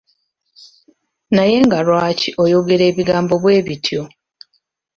Naye nga lwaki oyogera ebigambo bwebityo.